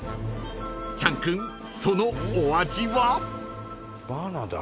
［チャン君そのお味は？］